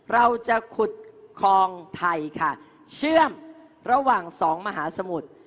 เราจะขุดคลองไทยค่ะเชื่อมระหว่างสองมหาสมุทร